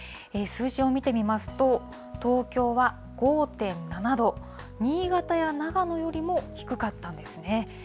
数字を見てみますと、東京は５．７度、新潟や長野よりも低かったんですね。